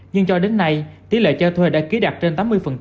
nhưng cho đến nay tỷ lệ cho thuê đã ký đạt trên tám mươi